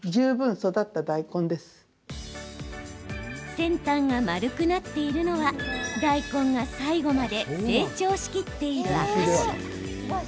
先端が丸くなっているのは大根が最後まで成長しきっている証し。